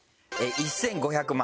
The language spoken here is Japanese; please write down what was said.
１５００万。